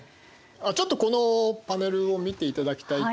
ちょっとこのパネルを見ていただきたいと思います。